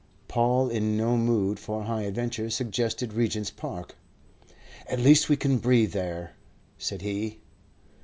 Paul, in no mood for high adventure, suggested Regent's Park. "At least we can breathe there," said he.